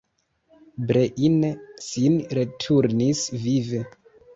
Breine sin returnis vive.